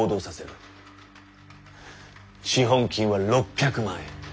資本金は６００万円。